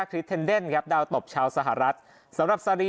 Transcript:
คริสเทนเดนด์ครับดาวตบชาวสหรัฐสำหรับ